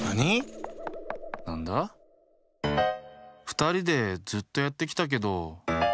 ふたりでずっとやってきたけど。